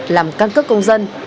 làm căn cứ công dân